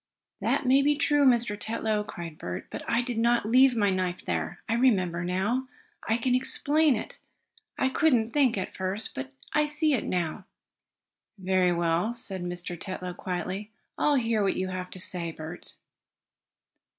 "That may be true, Mr. Tetlow!" cried Bert, "but I did not leave my knife there. I remember now I can explain it! I couldn't think, at first, but I see it now." "Very well," said Mr. Tetlow quietly, "I'll hear what you have to say, Bert."